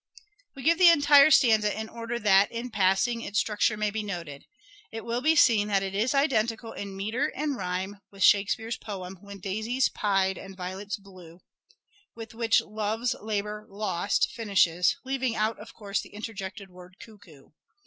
We give the entire stanza in order that, in passing, A possible its structure may be noted. It will be seen that it pun> is identical in metre and rhyme with Shakespeare's poem " When daisies pied and violets blue," with which 206 " SHAKESPEARE " IDENTIFIED " Lore's Labour's Lost " finishes (leaving out, of course, the interjected word " cuckoo